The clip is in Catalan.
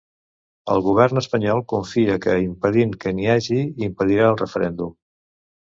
El govern espanyol confia que, impedint que n’hi hagi, impedirà el referèndum.